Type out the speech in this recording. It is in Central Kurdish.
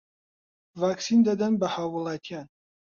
ڤاکسین دەدەن بە هاووڵاتیان